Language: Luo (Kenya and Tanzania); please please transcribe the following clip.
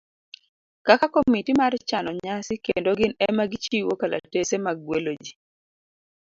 kaka komiti mar chano nyasi kendo gin ema gichiwo kalatese mag gwelo ji